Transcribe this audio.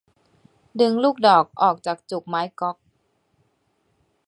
ดึงลูกดอกออกจากจุกไม้ก๊อก